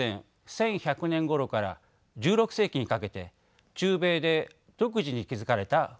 １１００年ごろから１６世紀にかけて中米で独自に築かれた文明でした。